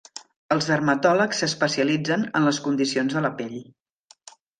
Els dermatòlegs s'especialitzen en les condicions de la pell.